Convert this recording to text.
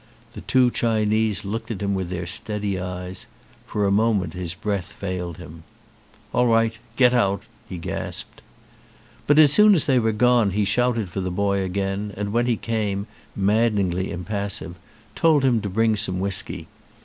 The two Chinese looked at him with their steady eyes. For a moment his breath failed him. "All right. Get out," he gasped. But as soon as they were gone he shouted for the boy again, and when he came, maddeningly im passive, he told him to bring some whisky.